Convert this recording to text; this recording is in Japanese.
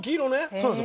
そうです。